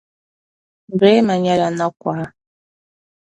Braimah nyɛla nakɔha.